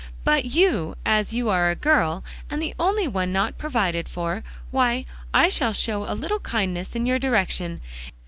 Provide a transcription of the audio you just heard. But you, as you are a girl, and the only one not provided for, why, I shall show a little kindness in your direction.